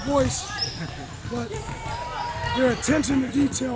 tapi pertandaannya sangat baik